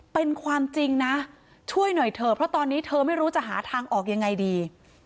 เป็นความจริงนะช่วยหน่อยเถอะเพราะตอนนี้เธอไม่รู้จะหาทางออกยังไงดี